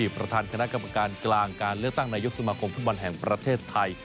ประธานคณะกรรมการกลางการเลือกตั้งนายกสมาคมฟุตบอลแห่งประเทศไทย